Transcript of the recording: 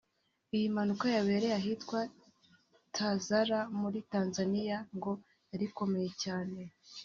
Iyi mpanuka yabereye ahitwa Tazara muri Tanzaniya ngo yari ikomeye cyane